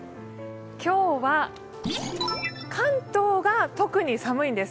今日は関東が特に寒いんです。